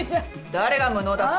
誰が無能だって？